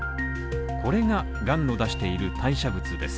これが癌の出している代謝物です。